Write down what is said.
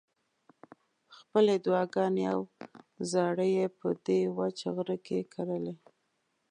خپلې دعاګانې او زارۍ یې په دې وچ غره کې کرلې.